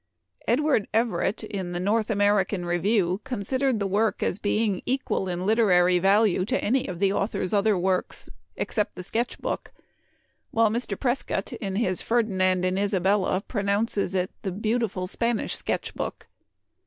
Edward , Everett, in the " North American Review," ; considered the work as being equal in literary value to any of the author's other works, except ; the " Sketch Book ;" while Mr. Prescott, in his ;" Ferdinand and Isabella," pronounces it the ' "beautiful Spanish Sketch Book."